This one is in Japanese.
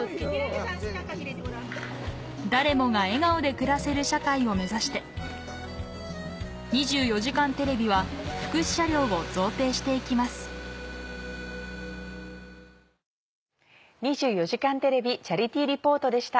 誰もが笑顔で暮らせる社会を目指して『２４時間テレビ』は福祉車両を贈呈して行きます「２４時間テレビチャリティー・リポート」でした。